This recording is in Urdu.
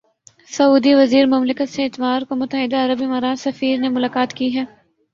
سعودی وزیر مملکت سے اتوار کو متحدہ عرب امارات سفیر نے ملاقات کی ہے